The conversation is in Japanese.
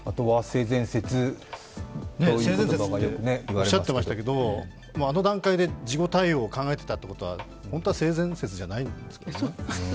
性善説っておっしゃっていましたけど、あの段階で事後対応を考えていたってことは本当は性善説じゃないんですよね。